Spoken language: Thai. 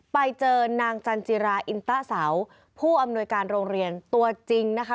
ไปเจอนางจันจิราอินตะเสาผู้อำนวยการโรงเรียนตัวจริงนะคะ